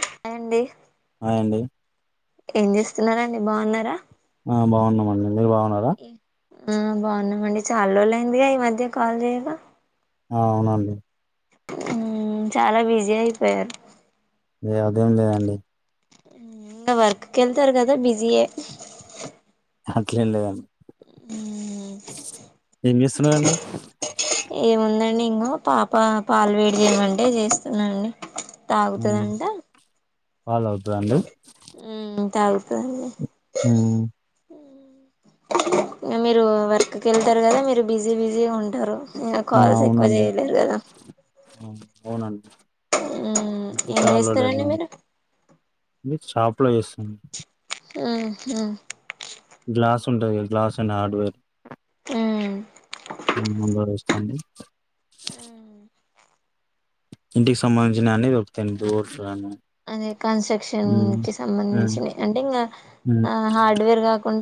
Hi అండి hi అండి ఏం చేస్తున్నారండి బాగున్నారా ఆ బాగున్నామండి మీరు బాగున్నారా ఊ బాగున్నామండి చాలా రోజులు అయింది గా మధ్య కాల్ చేయక ఆ అవునండి మ్మ్మ్మ్ చాలా బిజీ అయిపోయారు అదేం లేదండి వర్క్ కెళ్తారు కదా బిజే అట్లేం లేదండి ఏం చేస్తున్నా ఆన్డి ఏముందండి ఇంకా పాప పాలు వేడి చేమమంటే చేస్తున్నాండి ఉమ్ తాగుతుదంట పాలు తాగుతుదా అండి మ్మ్మ్మ్ తాగుతుంది మ్మ్మ్మ్ ఇ మీరు వర్క్కి వెళ్తారు కదా మీరు బిజీ బిజీ ఉంటారు నేను ఆ కాల్స్ ఎక్కువ అవునండి చేయలేదు కదా అవునండి మ్మ్మ్మ్ ఇంకా ఏం చాలా రోజులైంది చేస్తారండి మీరు షాప్ లో చేస్తాను మ్మ్మ్మ్ గ్లాస్ ఉంటది గ్లాస్ అండ్ హార్డ్వేర్ మ్మ్ మందరు వస్తాండి ఇంటికి సంబంధించిన అన్ని దొరుకుతాయి అండి బోల్ట్ గాని అదే కన్స్ట్రక్షన్ కి ఉమ్ సంబంధించిన అంటే ఇంకా ఉమ్ హార్డ్వేర్ కాకున్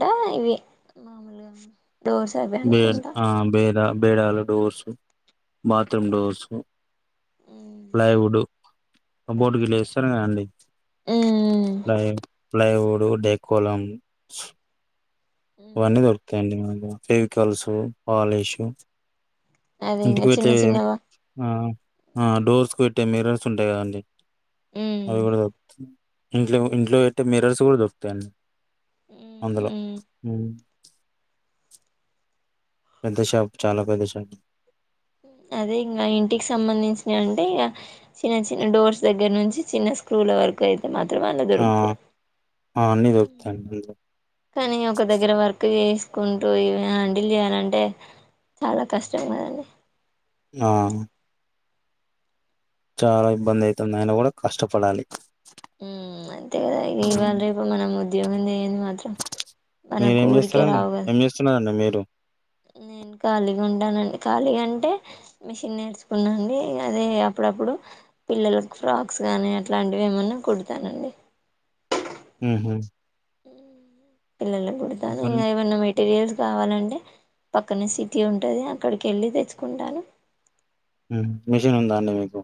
మామూలుగా డోర్స్ అవి బేడ్ అనుకుంటా బేడ బేడాల డోర్సు బాత్రూమ్ డోర్సు ఉమ్ ప్లైవుడ్ కబోర్డు వీళ్ళే ఇస్తారు కదండి మ్మ్ హ్మ్ ప్లైవుడు డెకోలమ్స్ ఉమ్ ఇవన్నీ దొరుకుతాయండి కెమికల్సు పాలిషూ అదే ఇంకా ఇంటికి చిన్న పెట్టే చిన్నవా మ్మ్ మ్మ్ డోర్స్కు పెట్టే మిర్రర్స్ ఉంటాయి కదండి ఉమ్ అవి కూడా దొరుకుతాయి ఇంట్లో ఇంట్లో పెట్టే మిరర్స్ కూడా దొరుకుతాయండి మ్మ్ హ్మ్ మ్మ్ ప్రదేశాల్ చాలా ప్రదేశాల్ అదే ఇంగా ఇంటికి సంబంధించిన అంటే ఇగ చిన్న చిన్న డోర్స్ దగ్గర నుంచి చిన్న స్క్రూల వరకు అయింది మాత్రమే అలా ఆ దొరుకుతయి ఆ అన్ని దొరుకుతాయండి [unintelligible] కానీ ఒక దగ్గర వర్క్ చేసి కుంటూ హ్యాండిల్ చేయాలంటే చాలా కష్టం కదా ఆ చాలా ఇబ్బంది అయితుందని కూడా కష్టపడాలి మ్మ్ అంతే కదా ఉమ్. ఇవాళ రేపు మనం ఉద్యోగం చేయని మాత్ర మన మీరేం కోరిక చేస్తారండి రావ ఏం చేస్తున్నారండి మీరు అవునండి ఖాళీ అంటే మిషన్ నేర్చుకున్నా అండి అదే అప్పుడప్పుడు పిల్లలకు ఫ్రాక్స్ గానీ అట్లాంటివి ఏమన్నా కుడతానండి మ్మ్ హు పిల్లలకు కుడతాను ఇంకా ఇంగ అండి ఏవన్నా మెటీరియల్స్ కావాలంటే పక్కన సిటీ ఉంటది అక్కడికెళ్ళి తెచ్చుకుంటాను మ్మ్ మిషన్ ఉందా అండి మీకు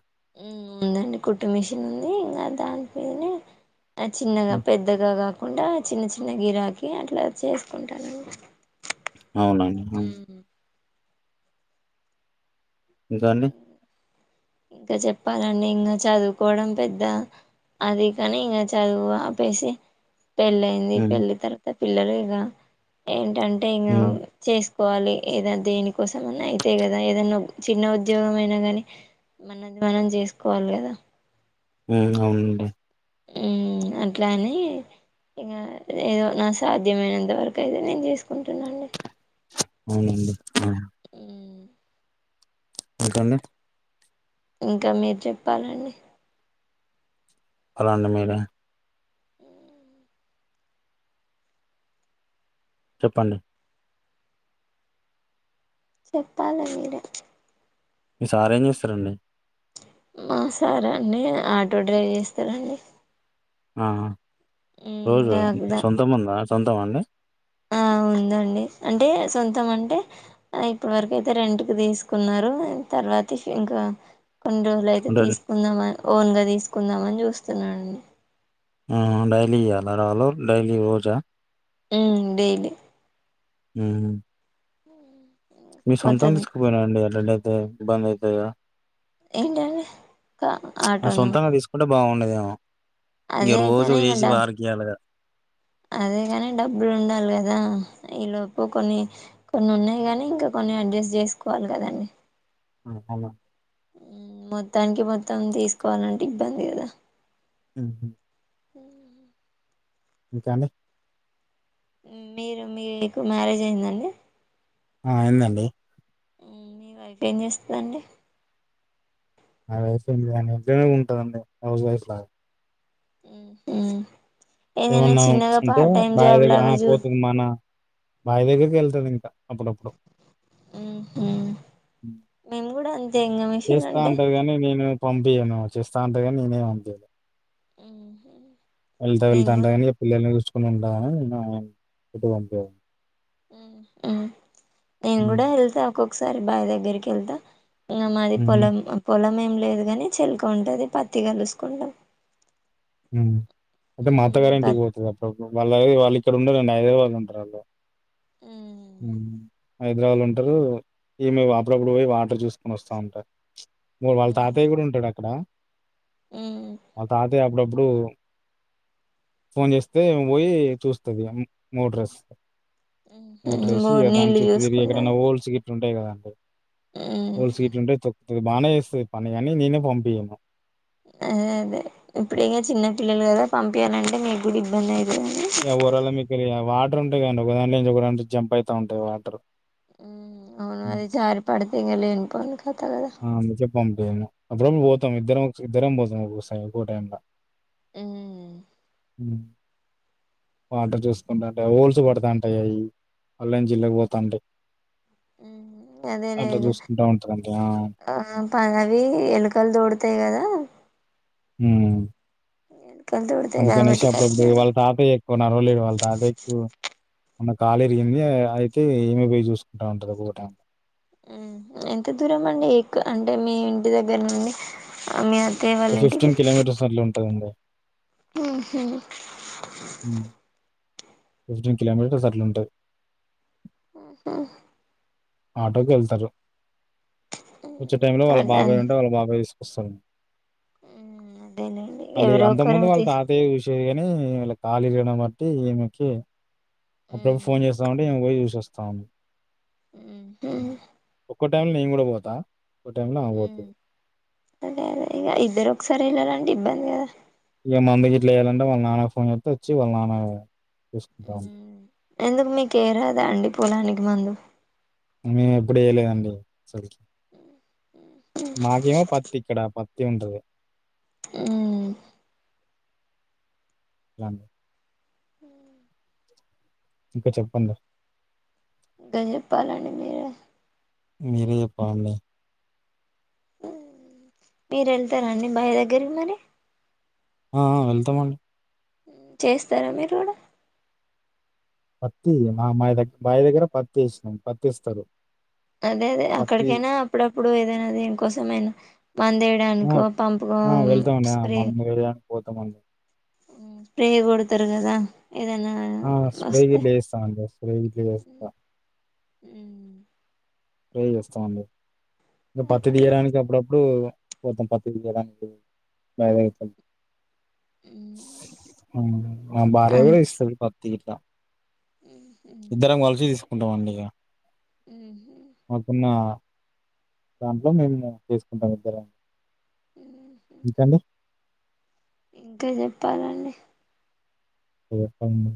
మ్మ్ ఉందండి కుట్టు మిషన్ ఉంది ఇంగా దాంట్లోనే ఆ చిన్నగా ఉమ్. పెద్దగా గాక కాకుండా చిన్న చిన్న గిరాకి అట్లా చేసుకుంటానండి అవునండి మ్మ్ ఉమ్ ఇంకా అండి ఇంకా చెప్పాలండి ఇంగా చదువుకోవడం పెద్ద అదే పని ఇంగ చదువు ఆపేసి పెళ్ళయింది ఉ పెళ్లి తర్వాత పిల్లలు ఇగ ఏంటంటే ఇంగ ఉ చేస్ కోవాలి ఏద దేని కోసం అయితే కదా ఏదన్నా చిన్న ఉద్యోగం ఏ ఉద్యోగమైన గాని మనది మనం చేసుకోవాలి కదా అవునండి మ్మ్ అట్లనీ ఇక ఏదో నా సాధ్యమైనంతవరకు అయితే నేను చేసుకుంటానండి మ్మ్ అవునా హ్మ్. ఇంకా అండి ఇంకా మీరు చెప్పాలండి హలో అండి మీరే చెప్పండి చెప్పండి మీరే మీ సార్ ఏం చేస్తారండి హా సరే అండి ఆటో డ్రైవ్ చేస్తరండి రోజు సొంతము ఉందా సొంతమండి ఆ ఉందండి అంటే సొంతం అంటే ఇప్పటి వరకు అయితే రెంట్ కు తీసుకున్నారు త తర్వాత ఇంకా కొన్ని రోజులు అయితే అంటే తీసుకుందామని ఓన్ గా తీసుకుందామని చూస్తున్నాడండి [unintelligible] ఉ డైలీ హు మీ కొత్త సొంతం తీసుకుపోయిన అండి ఎలాంటియితే ఇబ్బంది అయితదిగదా ఏంటండి ఆ ఆటోన సొంతంగా తీసుకుంటే బాగుండేదేమో ఇక రోజు ఇంకా చేసి డబ్ వారికి ఈయ్యాలి గ అదే కాని డబ్బులు ఉండాలి కద ఈ లోపు కొన్ని కొన్ని ఉన్నాయి గానీ ఇంకా కొ అడ్జస్ట్ చేసుకోవాలి కదండీ హా హా మొత్తనికి మొత్తం తీసుకోవాలంటే ఇబ్బంది కదా హు హు అవునా ఇంక అండి మీరు మీకు మ్యారేజ్ అయింద అండి ఆ అయింది అండి మీ వైఫ్ ఏం చేస్తదండి మా వైఫ్ అండి ఇంట్లోనే ఉంటది అండి హౌస్ వైఫ్ హు హు ఏమన్నా ఉంటే బావి దగ్గర లాగా ఆ చూ పోతు మన బావి దగ్గర వెళ్తుంది ఇంకా అప్పుడప్పుడు మ్మ్ మేము కూడా అంతే ఇంగ మిషన్ చేస్త అంటే అంటది కానీ నేను పంపియను చేస్త అంటది గాని నేనే పంపను మ్మ్ వెళ్తా వె నేను కూడా అంతెగాని పిల్లల్ని చూసుకుని ఉండామని నిను ఎటు పంపియను నేను కూడ హ్మ్ వెళ్తా ఒక్కొక్కసారి బాయి దగ్గరికి వెళ్తా ఇంగ మాది హ్మ్ పొలం పొలం ఏం లేదు కాని చెలక ఉంటుంది పత్తి [unintelligible] అంటే మా అత్త మ్మ్ గారింటికి పత్ పోతది అప్పుడపుడు వాళ్ళ వాళ్ళు ఇక్కడ ఉండరండి హైదరాబాద్లో ఉంటారు వాళ్ళు మ్మ్ హు హైదరాబాద్ లో ఉంటారు ఈమే అప్పుడప్పుడు పోయి వాటర్ చూసుకొని వస్తా ఉంటారు వాళ్ళ తాతయ్య కూడ ఉంటాడు అక్కడ మ్మ్ వాళ్ళ తాతయ్య ఇప్పుడు ఫోన్ చేస్తే పోయి చూస్తది మోట్రెస్ మ్మ్ మోట్రెసి బోర్ దాని నీళ్ళు చుట్టూ తిరిగి చూసుకుంటాం ఎక్కడైన్నా హోల్స్ గిట్లు ఉంటాయి కదా మ్మ్ సీట్ ఉంటే చెప్తది బాగానే చేేస్తుంది పని అని ననే పంపియను అదే అదే ఇప్పుడు ఇం చిన్న పిల్లలు కదా పంపించయాలంటే మీకు కూడా ఇబ్బంది అయి యే ఊరోళ్లమైతే యే వాట్ వాటర్ ఉంటాయి కానీ ఒక దాం నుంచి ఒక జంప్ అయిత ఉంటాయి వాటర్ హ్మ్. అది జారి పడితే ఇంగ లేని పోని ఆ చెప్పాంటేే అప్పుడు పోతాం ఇద్దరం ఇద్దరేం పోతాం ఒ ఒక్కకో టైం లో హు హు వాటర్ చూసుకుంటాంటే ఓల్సు పడతాంటా అవి అల్లాంచి ఇలాకి పోతాంటే అదేలే అట్ల ఇగ చూసుకుంటా [unintelligible] ఆ ఆవి ఎలుకలు దోడతాయి కదా ఉమ్ ఎలుకలు దోడుతాయి అందుకనేసే కాబట్టి అప్పుడప్పుడు ఖచ్చితంగా వాళ్ళ తాత ఎక్కువ నడవలేడు వాళ్ళ తాత ఎకు మొన్న కాలురిగింది అయితే ఏమ పోయి చూసుకుంటా ఉంటది ఒకో టైమ్ ఉమ్ ఎంత దూరం అండి ఎకు అంటే మీ ఇంటి దగ్గర నుండి మీ అత్తయ్య వాళ్ళ ఒక ఫిఫ్టీన్ కిలోమీటర్స్ అట్లా ఉంటుందండి ఉమ్ హ్మ హ్మ్ ఫిఫ్టీన్ కలోమీటర్స్ అట్లా ఉంటాది హ్మ్ హ్మ ఆటోకి వెళ్తారు వచ్చే టైమ్ లో వాళ్ళ అట బాబాయ్ ఉంటే వాళ్ళ బాబాయ్ వస్తారు అదేలేండి ఎవరో అంతక ఒకరు ముందు వాళ్ళు తీసు తాతయ్య చూసే ఉమ్ ఇమిల కాలిగినమట్టి ఈమెకి అప్పుడప్పుడు ఫోన్ చేస్తాఉంటే ఇమ పోయి చూస్తోంది ఒక్కో టైమ్ లో నేను కూడా పోతా ఒక్క టైమ్ లో ఆమె పోతాది అదే అదే ఇక ఇద్దరు ఒకసారి వెళ్ళిరండి ఇబ్బంది కదా ఇక మమ్ము ఇట్లా చేయాలంటే వాళ్ళ నాన్న ఫోన్ చెస్తే వచ్చి వాళ్ళ నాన్న చూసుకుంటా ఉంటాడు ఎందుకు మెకేయరాద అండి పొలానికి మందు మేము ఎప్పుడు వయలేదండి అసలు మాకేమో పత్త త్తి ఇక్కడ పత్తి ఉంటది రాను ఇంకా చెప్పండి గజప్పాలండి మీరే మేరే చెప్పాలండి మీరు వెళ్తారండి భాయ్ దగ్గరకి మరి ఆ వెళ్తామండి హ్మ్ చేస్తారా మీరు కూడా పత్తి మా మా దగ్గ భాయ్ దగ్గర పత్తి వెస్నాం పత్తయిస్తారు అదే అదే అక్కడికైనా అప్పుడప్పుడు ఏదైనా దేనికోసం అయినా మందు ఆ! వేయడానికో పంపుకో ఆ వెళ్తామండి మందు వేయడానికి పోతామండి హ్మ్ స్ప్రే కొడతారు కదా ఏదైనా ఆ స్ప్రే వస్తే గిట్ల వేస్తాం అండి స్ప్రే గిట్ల వేస్త ఉమ్ స్ప్రే చేస్తామండి ఇంకా పత్తి తీయడానికి అప్పుడప్ ఇప్పుడు మోత్తం పత్తి తీయడానికి తయారువుతూనం హా నా భార్య కూడా అంతే తీస్తాది పత్తి గిట్ల ఇద్దరం కలిసి తీసుకుంటామండి ఇక హ్మ్ మాకున్న దాంట్లో మేము చేసుకుంటాం ఇద్దరం ఇంకండి ఇంకా చెప్పాలండి మీర్ చెప్పండి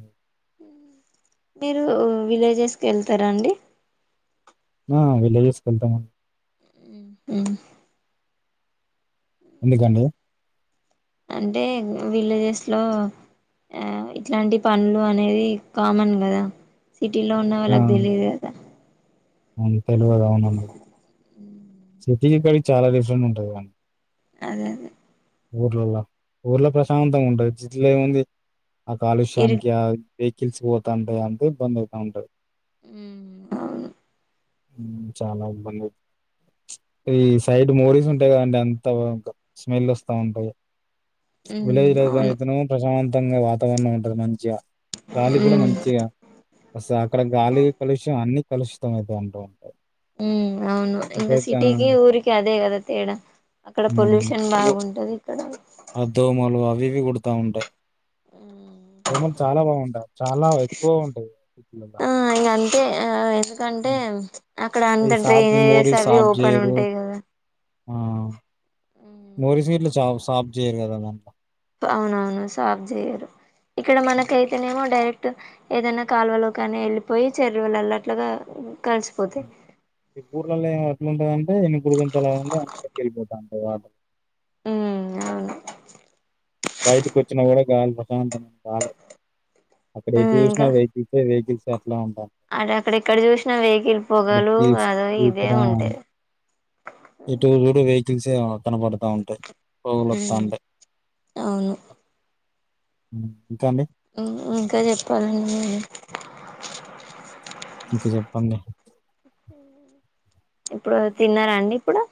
మీరు విలేజెస్కి వెళ్తారా అండి ఆ విలేజెస్ కి వెళ్తాం అండి హ్మ్ హ్మ ఎందుకండి అంటే విలేజెస్ లో ఆ ఇట్లాంటి పనులు అనేది కామన్ కదా సిటీలో ఉన్న ఆ! వాళ్ళకి తెలియదు కదా అవును తెల్వదా అవనుఅండి సిటీకి ఇక్కడికి చాలా డిఫరెంట్ ఉంటది కాదండీ అదే అదే ఊర్లలో ఊర్లో ప్రశాంతంగా ఉంటాది సిటీ లో ఏముంది ఆ ఇరు కాలుష్యానికి ఆ వెహికల్స్ పోతుంటాయి అంత ఇబ్బంది అయితాఉంటది హ్మ్ అవును హ్మ్ చాలా ఇబ్బంది ఈ సైడ్ మోరీస్ ఉంట అంటేండి అంతం స్మెల్ వస్తా ఉంటాయి ఉమ్ విలేజ్ లో అవును అయితే ప్రశాంత ఉంగా వాతావరణం ఉంటది మంచిగా గాలి కూడా ఉమ్ మంచిగా అస్ అక్కడ గాలిగా కలుషం అన్ని కలుషితం అయితే ఉంటూ ఉంటాయి ఉ అవును ఇకా ఇకైతే సిటీకి ఊరికి అదే కద తేడా అక్కడ పొల్యూషన్ బాగుంటది ఇక్కడ అధోమాలు అవివి కుడతా ఉంటాయి దోమలు చాలా బాగుంటాయి చాలా ఎక్కువ ఉంటాయిల అ ఆ ఎందుకంటే అక్కడ అంత అవి సాప్ డ్రైన్ ఏరియాస్ మోరీస్ అవి సాప్ ఓపెన్ చేయరు ఉంటాయి కదా ఆ మోరి సీట్లు చ సాపు చేయరు కదా దాంట్లో అవునవును సాఫ్ చెయ్యరు ఇక్కడ మనకైతేనేమో డైరెక్ట్ ఏదైనా కాలువలో కానీ వెళ్ళిపోయి చెర్రులల్లట్లుగా ఈ ఊర్లలో అట్లుంటదంటే ఎన్ని గుడి కొంతలా ఉంది అంద వెళ్ళిపోతాను ఆ ఉమ్ అవును బయటకు వచ్చినా కూడా గాలి ప్రశాంతమ ఇప్పుడ ఎట్ ఉమ్ చూనా వెహికల్స వెహికల్స్ అట్లా ఉంటా అ అక్కడ ఎక్కడ చూసినా వెహికల్ పొగలు అదో ఇదే ఉంటాది ఇటు చూడు వేయి తీసే కనపడతా ఉంటాయి పోగులు వస్తా ఉమ్ ఉంటాయి అవును ఇంకా అండి ఇంకా చెప్పాలండి నేను ఇంక చెప్పండి ఇప్పుడు తిన్నారా అండి ఇప్పుడు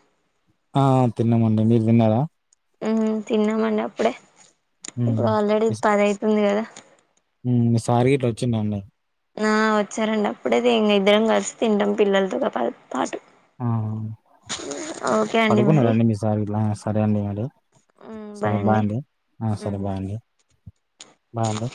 ఆ తిన్నామండి మీరు తిన్నారా ఉ తిన్నామండి అప్పుడే ఉమ్ ఇప్పుడు ఆల్రెడీ పద అవుతుంది కదా సారి గ ఇట్లా వచ్చిండండి నా వచ్చారండి అప్పుడేది ఇం ఇద్దరం కలిసి తింటాం పిల్లలతో పా పాటు ఆ ఓకే అండి మరి పడుకున్నారండి మీ సారిట్లా సరే అండి మరి ఉమ్ సరే బాయ్ అండి బయయాండి ఉమ్ సరే బాయ్ బయయాండి